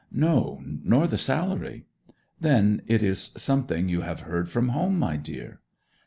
'No, nor the salary.' 'Then it is something you have heard from home, my dear.'